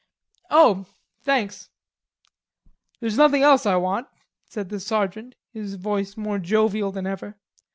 "Oh thanks.... There's nothing else I want," said the sergeant, his voice more jovial than ever.